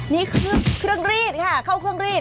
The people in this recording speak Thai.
นี่เครื่องรีดค่ะเข้าเครื่องรีด